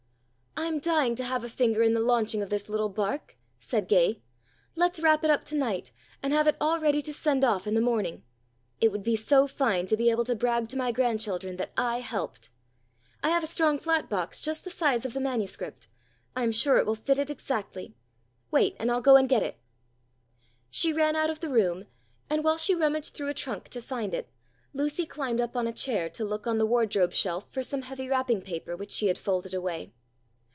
"I'm dying to have a finger in the launching of this little bark," said Gay. "Let's wrap it up tonight and have it all ready to send off in the morning. It would be so fine to be able to brag to my grandchildren that I helped. I have a strong flat box just the size of the manuscript. I'm sure it will fit it exactly. Wait and I'll go and get it." She ran out of the room, and, while she rummaged through a trunk to find it, Lucy climbed up on a chair to look on the wardrobe shelf for some heavy wrapping paper which she had folded away.